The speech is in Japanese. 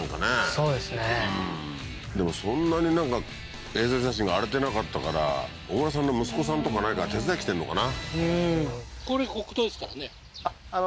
そうですねうんでもそんなになんか衛星写真が荒れてなかったからオグラさんの息子さんとか何か手伝い来てんのかな？